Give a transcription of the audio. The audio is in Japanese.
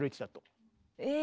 え。